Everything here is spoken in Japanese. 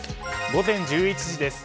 午前１１時です。